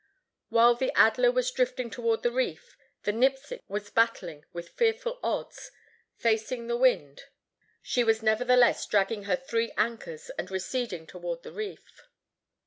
While the Adler was drifting toward the reef, the Nipsic was battling with fearful odds. Facing the wind, she was [Illustration: THE ADLER ON THE REEF.] nevertheless dragging her three anchors, and receding toward the reef.